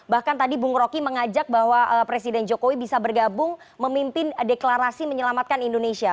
bahkan tadi bung rocky mengajak bahwa presiden jokowi bisa bergabung memimpin deklarasi menyelamatkan indonesia